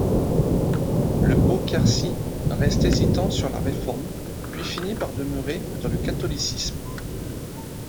Le Haut-Quercy reste hésitant sur la Réforme puis finit par demeurer dans le catholicisme.